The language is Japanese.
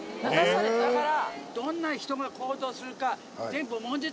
だから。